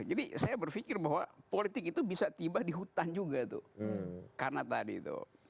jadi saya berpikir bahwa politik itu bisa tiba di hutan juga tuh karena tadi tuh